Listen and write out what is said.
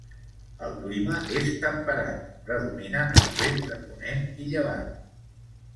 El clima és temperat; predominen els vents de ponent i llevant.